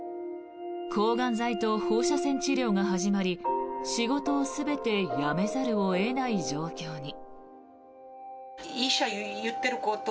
抗がん剤と放射線治療が始まり仕事を全てやめざるを得ない状況に。